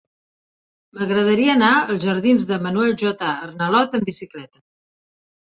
M'agradaria anar als jardins de Manuel J. Arnalot amb bicicleta.